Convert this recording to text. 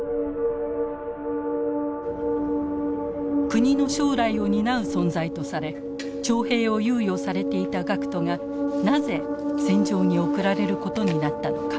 国の将来を担う存在とされ徴兵を猶予されていた学徒がなぜ戦場に送られることになったのか。